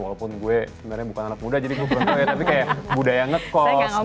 walaupun gue sebenarnya bukan anak muda jadi gubernur ya tapi kayak budaya ngekos